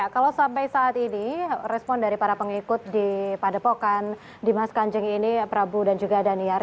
kalau sampai saat ini respon dari para pengikut di padepokan dimas kanjeng ini prabu dan juga daniar